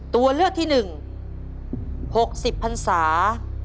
ตัวเลือกที่หนึ่ง๖๐พันศา